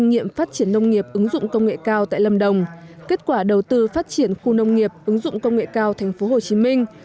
nhiệm phát triển nông nghiệp ứng dụng công nghệ cao tại lâm đồng kết quả đầu tư phát triển khu nông nghiệp ứng dụng công nghệ cao thành phố hồ chí minh